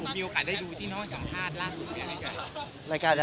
มีโอกาสได้ดูที่น้องให้สัมภาษณ์ล่าสุด